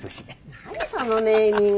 何そのネーミング。